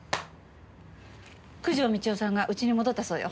九条美千代さんがうちに戻ったそうよ。